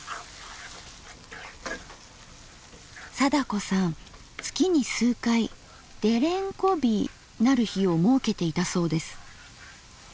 貞子さん月に数回「デレンコ日」なる日を設けていたそうです。